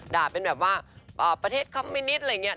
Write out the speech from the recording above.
ด่าเป็นแบบว่าประเทศคอมมิวนิตอะไรอย่างนี้